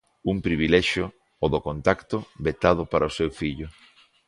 Un privilexio, o do contacto, vetado para o seu fillo.